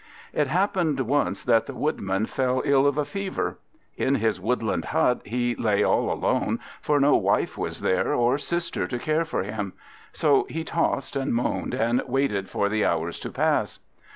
It happened once that the Woodman fell ill of a fever. In his woodland hut he lay all alone, for no wife was there, or sister to care for him. So he tossed and moaned, and waited for the hours to pass.